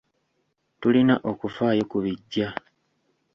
Tulina okufaayo ku bijja.